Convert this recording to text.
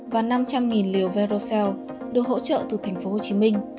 và năm trăm linh liều verocell được hỗ trợ từ tp hcm